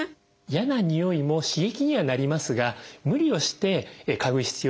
嫌なにおいも刺激にはなりますが無理をして嗅ぐ必要まではありません。